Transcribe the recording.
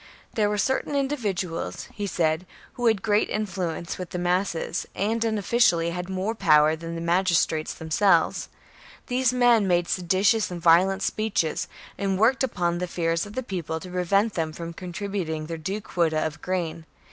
There were certam mdividuals, he said, who had great influence with the masses, and unofficially had more power than the magis trates themselves. These men made seditious and violent speeches, and worked upon the fears of the people to prevent them from contributing their due quota of grain.